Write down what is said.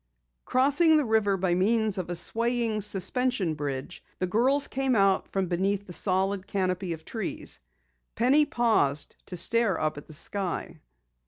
Crossing the river by means of a swaying, suspension bridge, the girls came out from beneath the solid canopy of trees. Penny paused to stare up at the sky.